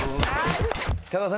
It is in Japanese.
北川さん。